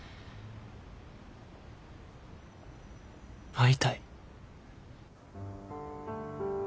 会いたい。